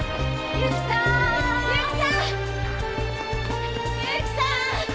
由紀さん！